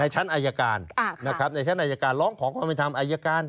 ชั้นอายการนะครับในชั้นอายการร้องขอความเป็นธรรมอายการ